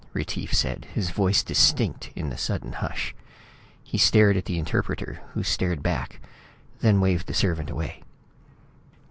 Retief said, his voice distinct in the sudden hush. He stared at the interpreter, who stared back, then waved the servant away.